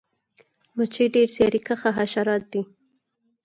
مچۍ ډیر زیارکښه حشرات دي